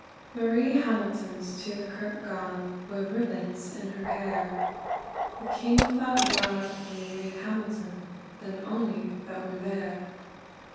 MARIE HAMILTON'S to the kirk gane, Wi ribbons in her hair; The king thought mair o Marie Hamilton, Than ony that were there.